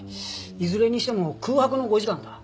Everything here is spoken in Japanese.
いずれにしても空白の５時間だ。